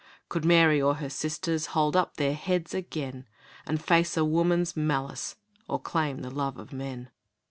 Could Mary or her sisters Hold up their heads again, And face a woman's malice Or claim the love of men?